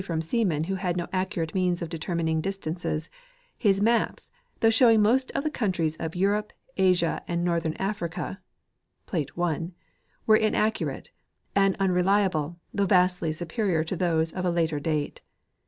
from seamen who had no accurate means of determining dis tances, his maps, though showing most of the countries of Eu rope, Asia and northern Africa (plate 1*), were inaccurate and unreliable, though vastly superior to those of a later date.